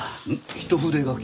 一筆書き？